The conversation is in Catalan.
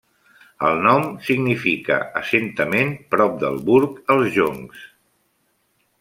El nom significa assentament prop del burg als joncs.